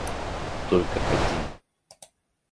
Только один...